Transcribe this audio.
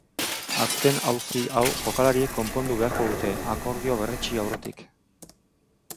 Azken auzi hau jokalariek konpondu beharko dute akordioa berretsi aurretik.